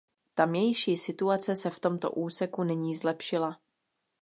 Tamější situace se v tomto úseku nyní zlepšila.